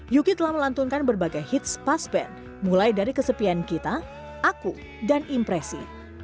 yuki telah melantunkan berbagai hits pasben mulai dari kesepian kita aku dan impresi